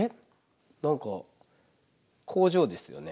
何か工場ですよね。